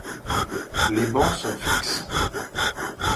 Les bancs sont fixes.